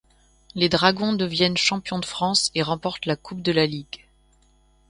Les Dragons deviennent champions de France et remportent la Coupe de la Ligue.